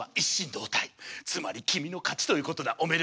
つまり君の勝ちということだおめでとう。